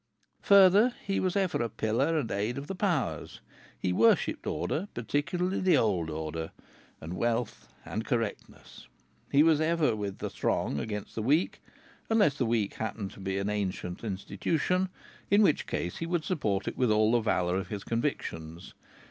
Further, he was ever a pillar and aid of the powers. He worshipped order, particularly the old order, and wealth and correctness. He was ever with the strong against the weak, unless the weak happened to be an ancient institution, in which case he would support it with all the valour of his convictions.